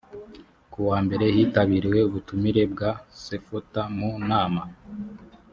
ku wambere hitabiriwe ubutumire bwa sefota mu nama.